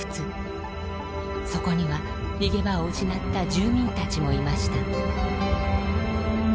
そこには逃げ場を失った住民たちもいました。